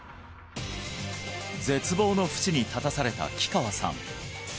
絶望のふちに立たされた木川さん